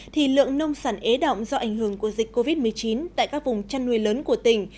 thì lượng nông sản ế động do ảnh hưởng của dịch covid một mươi chín tại các vùng chăn nuôi lớn của tỉnh